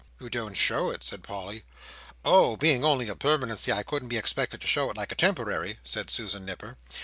"You don't show it," said Polly. "Oh! Being only a permanency I couldn't be expected to show it like a temporary," said Susan Nipper.